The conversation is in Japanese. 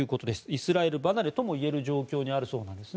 イスラエル離れともいえる状況にあるそうです。